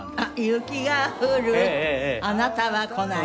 「雪が降るあなたは来ない」